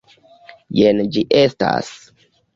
Jen ĝi estas: